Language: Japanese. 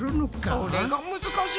それが難しい。